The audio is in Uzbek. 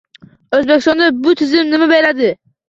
— O‘zbekistonga bu tizim nima beradi?